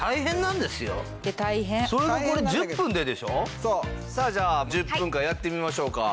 いやだってさあじゃあ１０分間やってみましょうか。